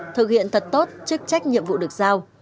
thực hiện thật tốt chức trách nhiệm vụ được giao